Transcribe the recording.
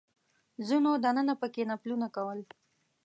ځینو دننه په کې نفلونه کول.